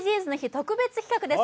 特別企画です。